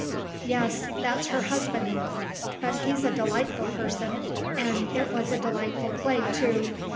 "Yes, that's her husband. But he's a delightful person. And it was a delightful play, too.